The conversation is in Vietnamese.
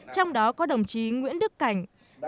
trong đó có đồng chí nguyễn đức cảnh